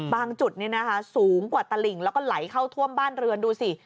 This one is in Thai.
จุดนี้นะคะสูงกว่าตลิ่งแล้วก็ไหลเข้าท่วมบ้านเรือนดูสิ